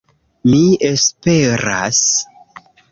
Mi esperas...